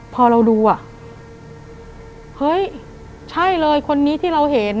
พอเราดูอ่ะเฮ้ยใช่เลยคนนี้ที่เราเห็น